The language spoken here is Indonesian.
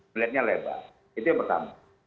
melihatnya lebar itu yang pertama